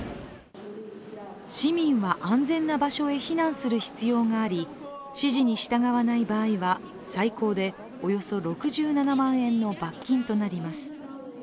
市民は安全な場所へ避難する必要があり、指示に従わない場合は最高でおよそ６７万円の罰金となります。